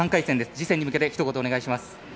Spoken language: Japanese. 次戦に向けてひと言お願いします。